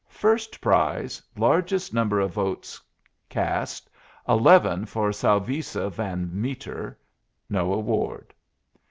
First prize, largest number of votes cast, 11, for Salvisa van Meter. No award.